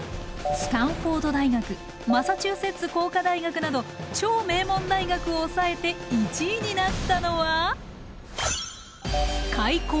スタンフォード大学マサチューセッツ工科大学など超名門大学を抑えて１位になったのは開校